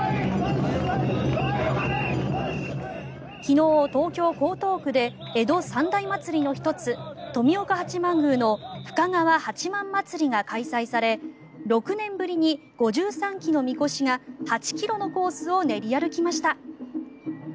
昨日、東京・江東区で江戸三大祭りの１つ富岡八幡宮の深川八幡祭りが開催され６年ぶりに５３基のみこしが８ｋｍのコースを練り歩きました。